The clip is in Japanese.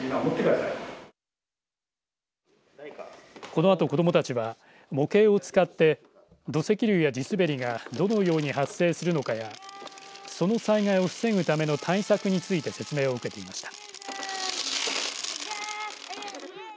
このあと子どもたちは模型を使って土石流や地滑りがどのように発生するのかやその災害を防ぐための対策について説明を受けていました。